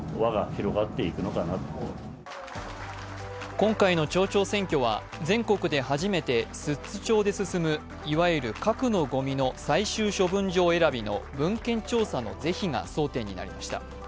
今回の町長選挙は全国で初めて寿都町で進むいわゆる核のごみの最終処分場選びの文献調査の是非が争点になりました。